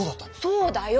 そうだよ！